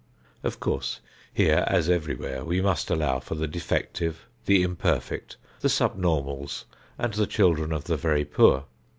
Of course here as everywhere we must allow for the defective, the imperfect, the subnormals and the children of the very poor.